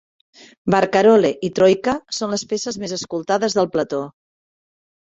"Barcarolle" i "Troika" són les peces més escoltades del plató.